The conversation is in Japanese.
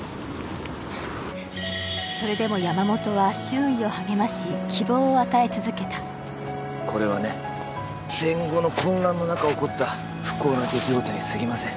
それでも山本は周囲を励まし希望を与え続けたこれはね戦後の混乱の中起こった不幸な出来事にすぎません